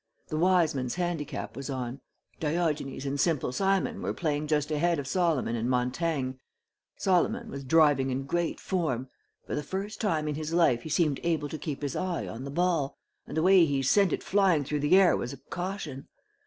The Wiseman's Handicap was on. Diogenes and Simple Simon were playing just ahead of Solomon and Montaigne. Solomon was driving in great form. For the first time in his life he seemed able to keep his eye on the ball, and the way he sent it flying through the air was a caution.